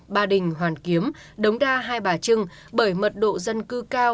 ba đình hoàn kiếm đống đa hai bà trưng bởi mật độ dân cư cao